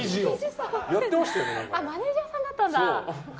マネジャーさんだったんだ。